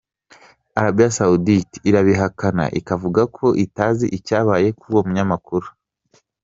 Arabie Saoudite irabikana, ikavuga ko itazi icyabaye kuri uwo munyamakuru.